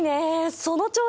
その調子！